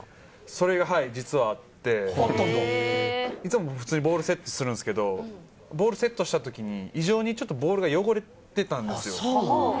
それが実はあって、いつもボールをセットするんですけれども、ボールセットしたときに、非常にボールが汚れてたんですよ。